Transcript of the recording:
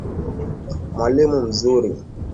Mwalimu mzuri.